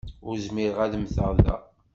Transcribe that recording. Ur zmireɣ ad mmteɣ da.